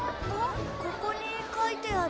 ここに書いてある。